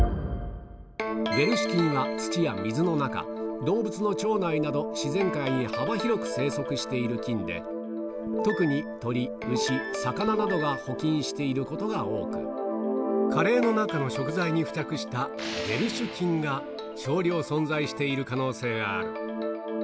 ウェルシュ菌は、土や水の中、動物の腸内など、自然界に幅広く生息している菌で、特に鶏、牛、魚などが保菌していることが多く、カレーの中の食材に付着したウェルシュ菌が、少量存在している可能性がある。